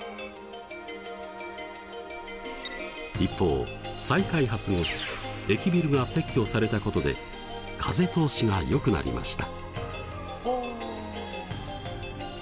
一方再開発後駅ビルが撤去されたことで風通しがよくなりました。